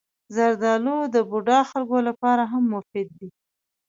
زردالو د بوډا خلکو لپاره هم مفید دی.